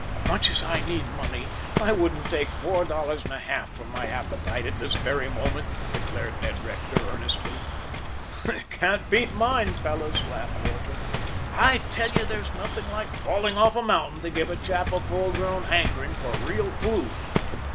"Much as I need money, I wouldn't take four dollars and a half for my appetite at this very moment," declared Ned Rector, earnestly. "It can't beat mine, fellows," laughed Walter. "I tell you, there's nothing like falling off a mountain to give a chap a full grown hankering for real food."